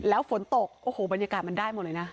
แล้วฝนตกโอ้โหบรรยากาศมันได้หมดเลยนะ